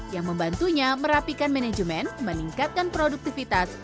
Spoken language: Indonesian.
yang membantunya merapikan manajemen meningkatkan produktivitas